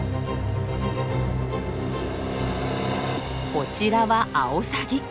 こちらはアオサギ。